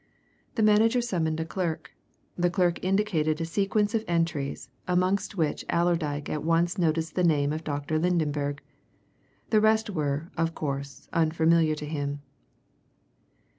The manager summoned a clerk; the clerk indicated a sequence of entries, amongst which Allerdyke at once noticed the name of Dr. Lydenberg. The rest were, of course, unfamiliar to him.